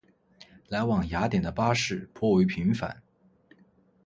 来往雅典的巴士颇为频繁。